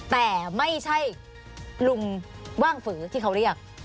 แต่ไม่ใช่ลุงว่างฝือที่เขาเรียก